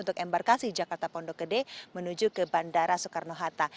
untuk embarkasi jakarta pondok gede menuju ke bandara soekarno hatta